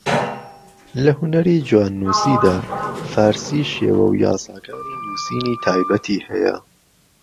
لە ھونەری جواننووسیدا، فارسی شێوەو یاساکانی نوسینی تایبەتی ھەیە